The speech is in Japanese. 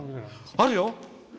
あるよ！